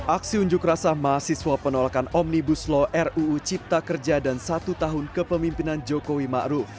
aksi unjuk rasa mahasiswa penolakan omnibus law ruu cipta kerja dan satu tahun kepemimpinan jokowi ⁇ maruf ⁇